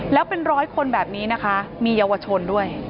แล้วเป็นร้อยคนแบบนี้นะคะมีเยาวชนด้วย